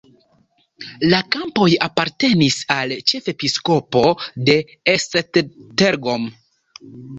La kampoj apartenis al ĉefepiskopo de Esztergom.